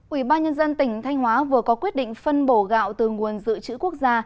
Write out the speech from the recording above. ủy ban nhân dân tỉnh thanh hóa vừa có quyết định phân bổ gạo từ nguồn dự trữ quốc gia